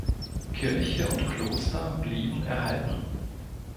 Kirche und Kloster blieben erhalten.